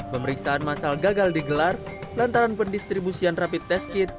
pemeriksaan masal gagal digelar lantaran pendistribusian rapid test kit